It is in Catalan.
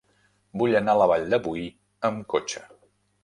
Vull anar a la Vall de Boí amb cotxe.